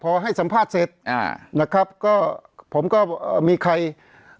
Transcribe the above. เพราะฉะนั้นประชาธิปไตยเนี่ยคือการยอมรับความเห็นที่แตกต่าง